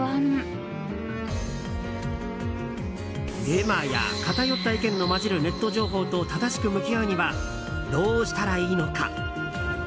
デマや偏った意見の交じるネット情報と正しく向き合うにはどうしたらいいのか。